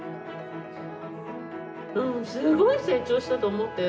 うんすごい成長したと思ったよ。